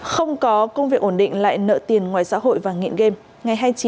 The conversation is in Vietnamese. không có công việc ổn định lại nợ tiền ngoài xã hội và nghiện game